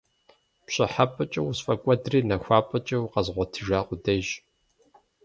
ПщӀыхьэпӀэкӀэ усфӀэкӀуэдри, нахуапӀэкӀэ укъэзгъуэтыжа къудейщ…